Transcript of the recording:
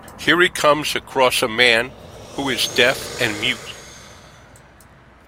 Here he comes across a man who is deaf and mute.